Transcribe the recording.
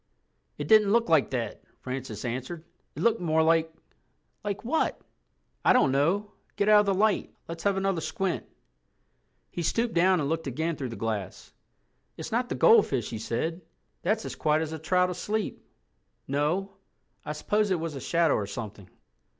"It didn't look like that," Francis answered. "It looked more like—" "Like what?" "I don't know—get out of the light. Let's have another squint." He stooped down and looked again through the glass. "It's not the goldfish," he said. "That's as quiet as a trout asleep. No—I suppose it was a shadow or something."